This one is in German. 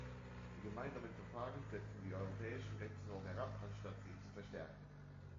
Die gemeinsamen Verfahren setzen die europäischen Rechtsnormen herab, anstatt sie zu verstärken.